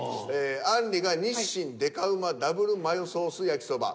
あんりが「日清デカうまＷマヨソース焼そば」。